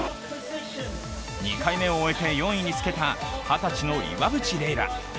２回目を終えて４位につけた、２０歳の岩渕麗楽。